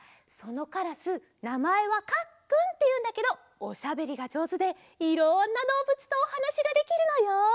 そのカラスなまえは「かっくん」っていうんだけどおしゃべりがじょうずでいろんなどうぶつとおはなしができるのよ。